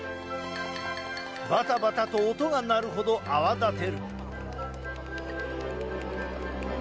バタバタと音が鳴る程、泡立てる。